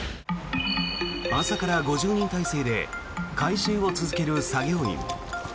朝から５０人態勢で回収を続ける作業員。